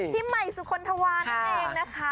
พี่ใหม่สุคลธวานั่นเองนะคะ